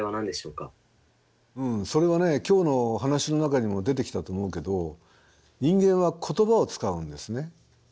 うんそれはね今日の話の中にも出てきたと思うけど人間は言葉を使うんですね。